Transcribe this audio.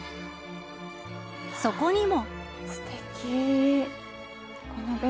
そこにも。